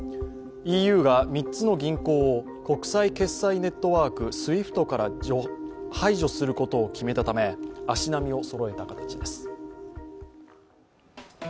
ＥＵが３つの銀行を国際決済ネットワーク＝ＳＷＩＦＴから排除することを決めたため足並みをそろえた形です。